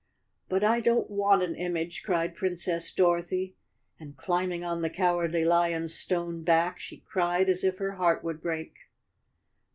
" But I don't want an image," cried Princess Dorothy and, climbing on the Cowardly Lion's stone back, she cried as if her heart would break.